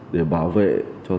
để bảo vệ cho tiêm chủng